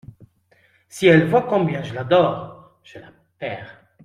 Si elle voit combien je l'adore, je la perds.